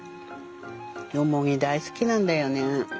ヨモギ大好きなんだよね。